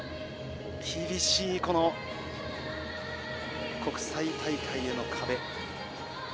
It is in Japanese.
厳しい、この国際大会への壁。